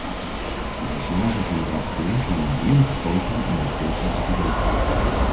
De verslagen van de rapporteur zijn een eerlijke poging om dat voorstel te verbeteren.